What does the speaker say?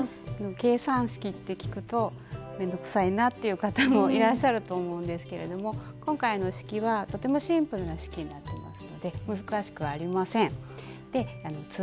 「計算式」って聞くと面倒くさいなっていう方もいらっしゃると思うんですけれども今回の式はとてもシンプルな式になってますので難しくありません。